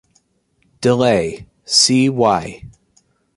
DeLay, C. Y.